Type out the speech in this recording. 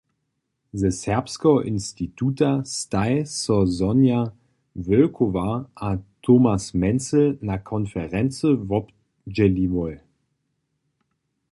Ze Serbskeho instituta staj so Sonja Wölkowa a Thomas Menzel na konferency wobdźěliłoj.